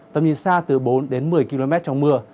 tầm nhìn xa từ bốn đến một mươi km trong mưa